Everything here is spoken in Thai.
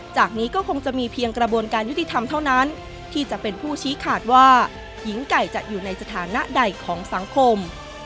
จากนี้ก็คงจะมีเพียงกระบวนการยุติธรรมเท่านั้นที่จะเป็นผู้ชี้ขาดว่าหญิงไก่จะอยู่ในสถานะใดของสังคม